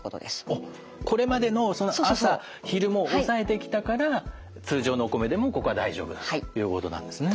あっこれまでの朝昼も抑えてきたから通常のお米でもここは大丈夫だということなんですね。